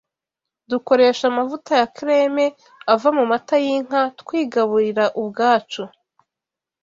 Dukoresha amavuta ya kereme ava mu mata y’inka twigaburirira ubwacu.